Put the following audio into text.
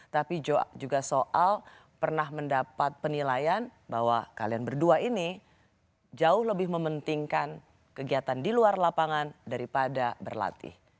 tapi juga soal pernah mendapat penilaian bahwa kalian berdua ini jauh lebih mementingkan kegiatan di luar lapangan daripada berlatih